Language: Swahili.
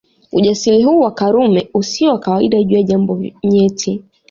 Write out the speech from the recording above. Ujasiri huu wa Karume usio wa kawaida juu ya jambo nyeti